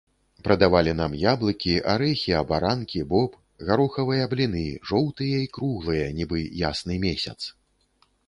Прадавалі нам яблыкі, арэхі, абаранкі, боб, гарохавыя бліны, жоўтыя і круглыя, нібы ясны месяц.